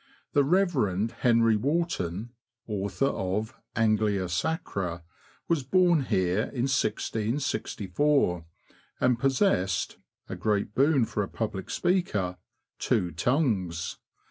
The Rev. Henry Wharton, author of ''Anglia Sacra," was born here in 1664, and possessed (a great boon for a public speaker) two tongues.